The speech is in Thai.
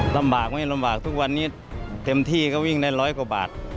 ลำบากไม่ลำบากทุกวันนี้เต็มที่ก็วิ่งได้ร้อยกว่าบาท